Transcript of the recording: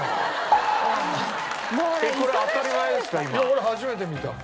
俺初めて見た。